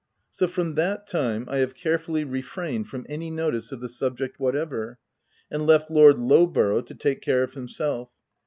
So from that time I have carefully refrained from any notice of the subject whatever, and left Lord Lowborough to take care of himself.